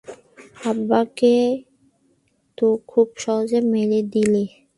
আব্বা কে তো খুব সহজে মেরে দিলে।